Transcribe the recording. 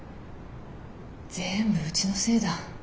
全部うちのせいだ。